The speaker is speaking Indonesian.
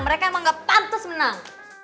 mereka emang ga pantus menang